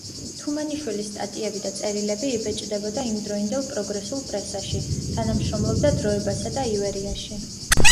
თუმანიშვილის სტატიები და წერილები იბეჭდებოდა იმდროინდელ პროგრესულ პრესაში; თანამშრომლობდა „დროებასა“ და „ივერიაში“.